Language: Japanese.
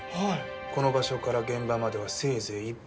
この場所から現場まではせいぜい１分。